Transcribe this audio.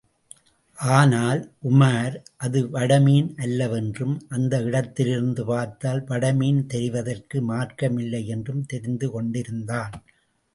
ஆனால் உமார் அது வடமீன் அல்லவென்றும் அந்த இடத்திலிருந்து பார்த்தால் வடமீன் தெரிவதற்கு மார்க்கமில்லையென்றும் தெரிந்து கொண்டிருந்தான்.